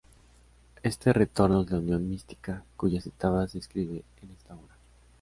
Este retorno es la unión mística, cuyas etapas describe en esta obra.